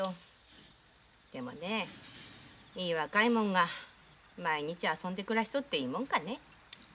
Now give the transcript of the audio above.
いい若い者が毎日遊んで暮らしとっていいもんかね。